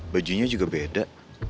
bajunya juga beda